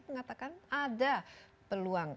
mengatakan ada peluang